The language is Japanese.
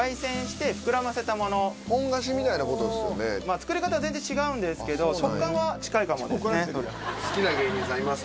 作り方は全然違うんですけど食感は近いかもですね。